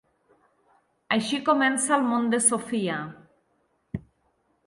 Així comença el món de Sofia.